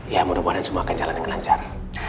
ya mudah mudahan semua akan jalan dengan lancar